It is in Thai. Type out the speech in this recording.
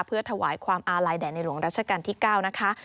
เพื่อถวายความอาลัยแด่ในหลวงรัชกาลที่๙นะคะ